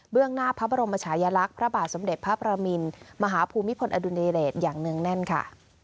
หน้าพระบรมชายลักษณ์พระบาทสมเด็จพระประมินมหาภูมิพลอดุญเดชอย่างเนื่องแน่นค่ะ